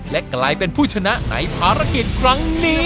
และกลายเป็นผู้ชนะในภารกิจครั้งนี้